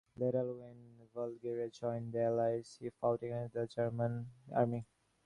Later when Bulgaria joined the Allies, he fought against the German army.